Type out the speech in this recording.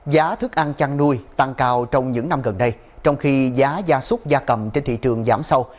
giá thức ăn chăn nuôi tăng cao trong những năm gần đây trong khi giá gia súc gia cầm trên thị trường giảm sâu